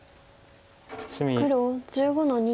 黒１５の二。